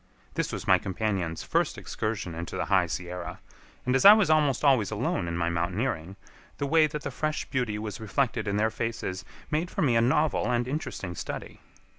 This was my companions' first excursion into the High Sierra, and as I was almost always alone in my mountaineering, the way that the fresh beauty was reflected in their faces made for me a novel and interesting study.